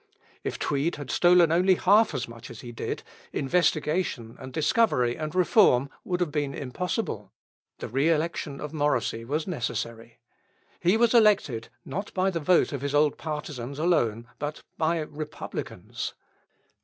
If Tweed had stolen only half as much as he did, investigation and discovery and reform would have been impossible. The re election of Morrisey was necessary. He was elected not by the vote of his old partisans alone, but by Republicans.